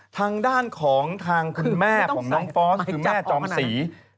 ทางด้านของทางคุณแม่ของน้องฟอสคือแม่จอมศรี